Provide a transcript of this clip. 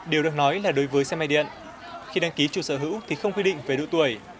điều được nói là đối với xe máy điện khi đăng ký chủ sở hữu thì không quy định về độ tuổi